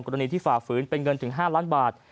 กรณีที่ฝ่าฝืนเป็นเงินถึง๕ล้านบาท